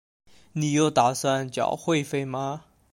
你有打算缴会费吗？